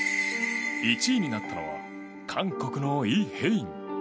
１位になったのは韓国のイ・ヘイン。